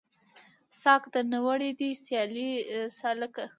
ساګ درنه وړی دی سیلۍ سالکه